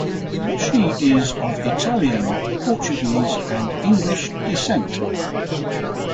She is of Italian, Portuguese, and English descent.